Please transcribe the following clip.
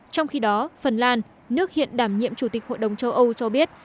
trong khi đó phần lan nước hiện đảm nhiệm chủ tịch hội đồng châu âu cho biết